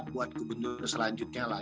buat gubernur selanjutnya lah